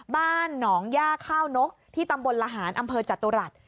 บ้านหนองย่าข้าวนกที่ตำบลละหารอำเภอจตุรัส